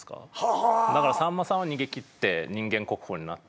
だからさんまさんは逃げ切って人間国宝になって。